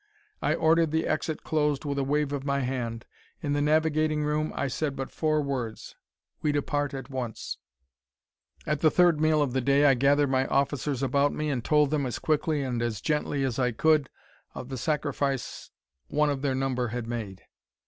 I ordered the exit closed with a wave of my hand; in the navigating room I said but four words: "We depart at once." At the third meal of the day I gathered my officers about me and told them, as quickly and as gently as I could, of the sacrifice one of their number had made.